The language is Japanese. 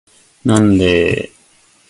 なんでーーー